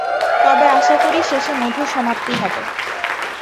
তবে আশা করি শেষে মধুর সমাপ্তি হবে।